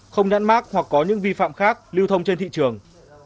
không nhãn mát hoặc có những vi phạm khác lưu thông trên thị trường